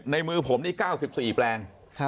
ในมือผมนี่๙๔แปลง